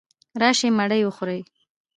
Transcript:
راشئ مړې وخورئ.